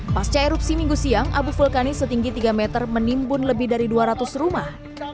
pasca erupsi minggu siang abu vulkanis setinggi tiga meter menimbun lebih dari dua ratus rumah